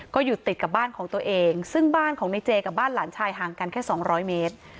ก็อยู่ติดกับบ้านของตัวเองซึ่งบ้านของในเจกับบ้านหลานชายห่างกันแค่สองร้อยเมตร